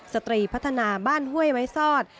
สตรีพัฒนาบ้านห้วยไม้ซอด